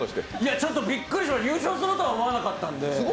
ちょっとびっくりしました優勝するとは思ってなかったんで。